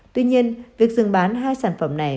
tuy nhiên việc dừng bán hai sản phẩm này